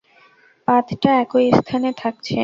পাতটা একই স্থানে থাকছে।